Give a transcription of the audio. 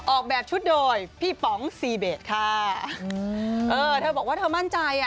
ออกแบบชุดโดยพี่ป๋องซีเบสค่ะอืมเออเธอบอกว่าเธอมั่นใจอ่ะ